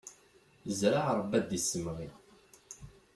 Zreɛ Ṛebbi ad d-issemɣi!